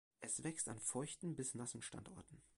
Es wächst an feuchten bis nassen Standorten.